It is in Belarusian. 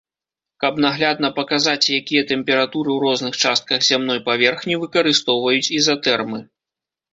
Каб наглядна паказаць, якія тэмпературы ў розных частках зямной паверхні, выкарыстоўваюць ізатэрмы.